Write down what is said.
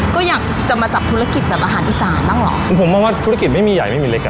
ก็อยากจะมาจับธุรกิจแบบอาหารอีสานบ้างเหรอผมมองว่าธุรกิจไม่มีใหญ่ไม่มีเล็กอ่ะ